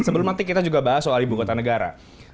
sebelum nanti kita juga bahas soal ibu kota negara